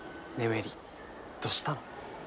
芽李どうしたの？